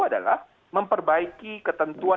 adalah memperbaiki ketentuan